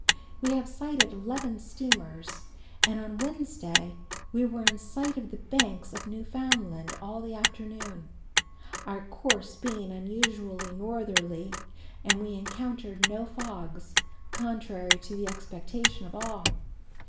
We have sighted eleven steamers and on Wednesday we were in sight of the banks of Newfoundland all the afternoon, our course being unusually northerly and we encountered no fogs, contrary to the expectation of all.